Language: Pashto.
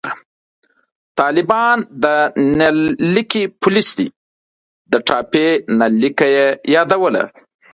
طالبان د نل لیکي پولیس دي، د ټاپي نل لیکه یې یادوله